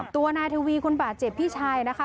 ตัวนายทวีคนบาดเจ็บพี่ชายนะคะ